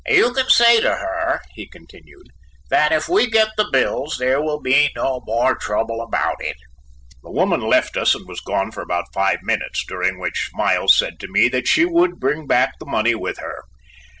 You can say to her," he continued, "that if we get the bills there will be no more trouble about it." The woman left us and was gone for about five minutes, during which Miles said to me that she would bring back the money with her.